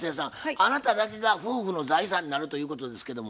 あなただけが夫婦の財産になるということですけども？